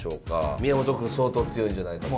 宮本くん相当強いんじゃないかと。